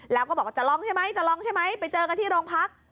แล้วก็บอกว่าจะลองใช่ไหมจะลองใช่ไหมไปเจอกันที่โรงพัก